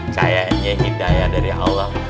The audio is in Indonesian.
kayaknya hidayah dari allah